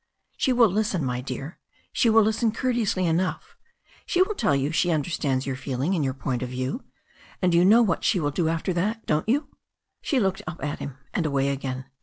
"She will listen, my dear. She will listen courteously enough. She will tell you she understands your feeling and your point of view. And you know what she will do after that, don't you?" She looked up at him and away again.